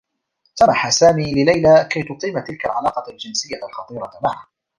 سمح سامي لليلى كي تقيم تلك العلاقة الجنسيّة الخطيرة معه.